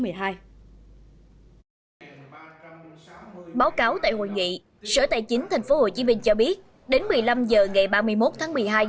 báo cáo tại hội nghị sở tài chính thành phố hồ chí minh cho biết đến một mươi năm h ngày ba mươi một tháng một mươi hai